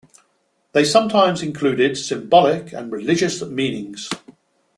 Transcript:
They sometimes included symbolic and religious meanings.